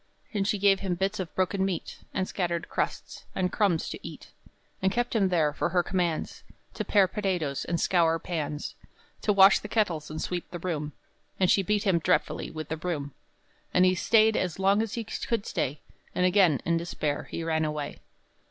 And she gave him bits of broken meat, And scattered crusts, and crumbs, to eat; And kept him there for her commands To pare potatoes, and scour pans, To wash the kettles and sweep the room; And she beat him dreadfully with the broom; And he staid as long as he could stay, And again, in despair, he ran away.